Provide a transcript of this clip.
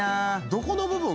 どこの部分？